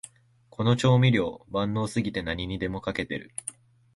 この調味料、万能すぎて何にでもかけてる